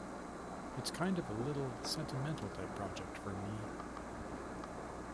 It's kind of a little, sentimental-type project for me.